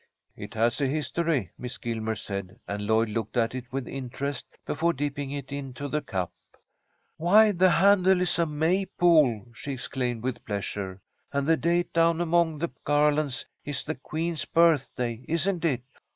"It has a history," Miss Gilmer said, and Lloyd looked at it with interest before dipping it into the cup. "Why, the handle is a May pole!" she exclaimed, with pleasure. "And the date down among the garlands is the queen's birthday, isn't it?